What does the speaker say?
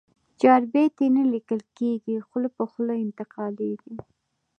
چاربیتې نه لیکل کېږي، خوله په خوله انتقالېږي.